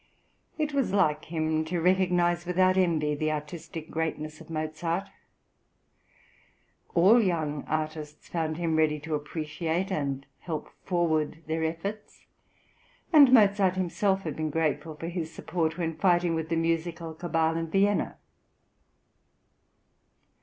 " It was like him to recognise without envy the artistic greatness of Mozart; all young artists found him ready to appreciate and help forward their efforts, and Mozart himself had been grateful for his support when fighting with the musical cabal in Vienna.